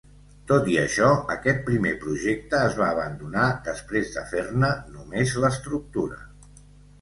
Tot i això, aquest primer projecte es va abandonar després de fer-ne només l'estructura.